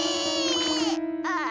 ああ。